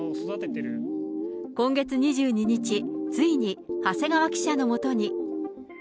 今月２２日、ついに長谷川記者のもとに。